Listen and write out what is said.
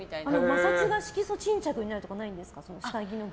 摩擦が色素沈着になるとかないんですか。